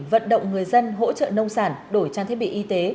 vận động người dân hỗ trợ nông sản đổi trang thiết bị y tế